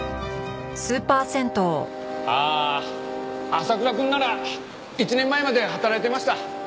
ああ浅倉くんなら１年前まで働いていました。